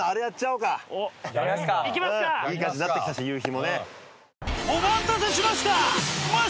お待たせしました！